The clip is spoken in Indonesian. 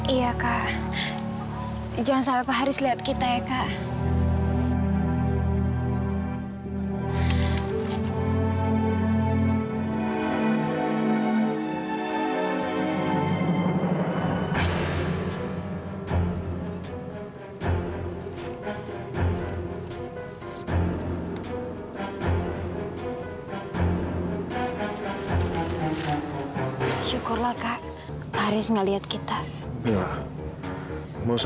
iya kak jangan sampai pak haris lihat kita ya kak